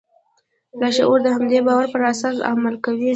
لاشعور د همدې باور پر اساس عمل کوي.